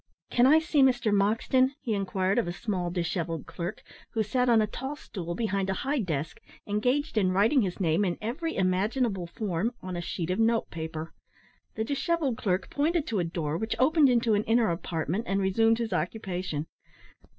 "Can I see Mr Moxton?" he inquired of a small dishevelled clerk, who sat on a tall stool behind a high desk, engaged in writing his name in every imaginable form on a sheet of note paper. The dishevelled clerk pointed to a door which opened into an inner apartment, and resumed his occupation.